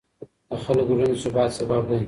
د خلکو ګډون د ثبات سبب دی